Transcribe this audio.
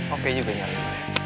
oke juga nyari